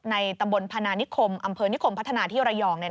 ตำบลพนานิคมอำเภอนิคมพัฒนาที่ระยอง